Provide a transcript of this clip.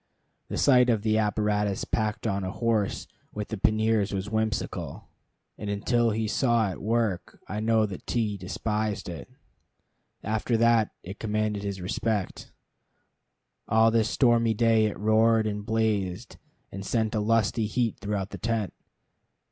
The sight of the apparatus packed on a horse with the panniers was whimsical, and until he saw it work I know that T despised it. After that, it commanded his respect. All this stormy day it roared and blazed, and sent a lusty heat throughout the tent.